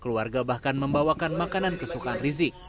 keluarga bahkan membawakan makanan kesukaan rizik